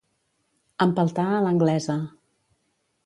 Empeltar a l'anglesa.